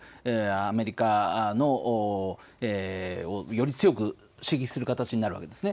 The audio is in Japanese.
アメリカを、より強く刺激する形になるわけです。